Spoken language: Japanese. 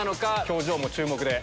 表情も注目で。